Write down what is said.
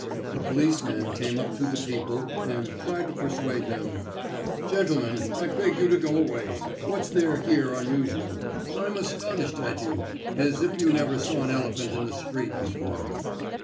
A policeman came up to the people and tried to persuade them: "Gentlemen, I beg you to go away. What's there here unusual? I'm astonished at you! As if you never saw an elephant in the street before."